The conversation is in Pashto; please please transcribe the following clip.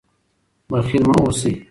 بخیل مه اوسئ.